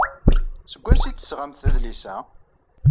Seg wansi ay d-tesɣamt adlis-a?